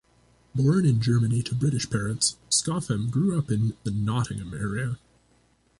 Born in Germany to British parents, Scoffham grew up in the Nottingham area.